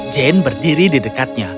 jane berdiri di dekatnya